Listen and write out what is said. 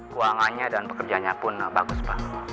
keuangannya dan pekerjanya pun bagus pak